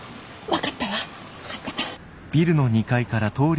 分かった。